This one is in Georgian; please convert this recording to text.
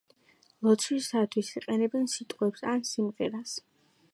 ლოცვისათვის იყენებენ სიტყვებს ან სიმღერას.